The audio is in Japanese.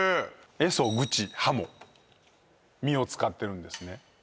エソ・グチ・ハモ身を使ってるんですね